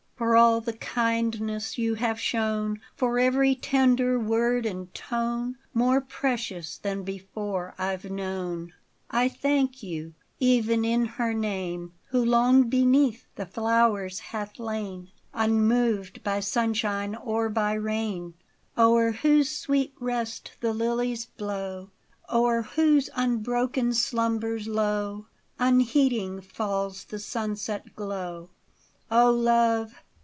For all the kindness you have shown, For every tender word and tone, More precious than before I 've known, — 65 5 OFFERINGS. I thank you : even in her name Who long beneath the flowers hath lain, Unmoved by sunshine or by rain ; O'er whose sweet rest the lilies blow ; O'er whose unbroken slumbers low Unheeding falls the sunset glow. O love